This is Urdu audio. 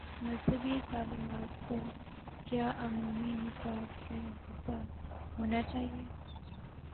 مذہبی تعلیمات کو کیا عمومی نصاب کا حصہ ہو نا چاہیے؟